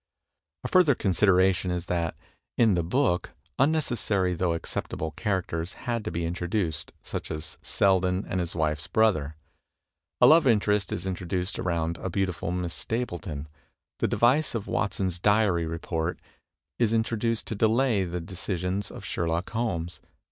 A further consideration is that, in the book, unnecessary though acceptable characters had to be introduced, such as Selden and his wife^s brother. A love interest is introduced around the beautiful Miss Stapleton. The device of Wat son's diary report is introduced to delay the decisions of Sherlock Holmes.